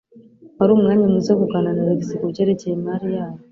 Wari umwanya mwiza wo kuganira na Alex kubyerekeye imari yabo.